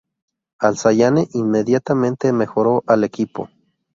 Al-Zayani inmediatamente mejoró al equipo.